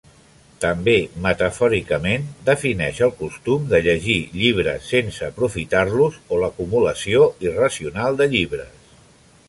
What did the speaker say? També, metafòricament, defineix el costum de llegir llibres sense aprofitar-los o l'acumulació irracional de llibres.